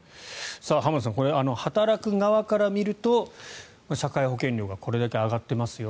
浜田さん、働く側から見ると社会保険料がこれだけ上がってますよ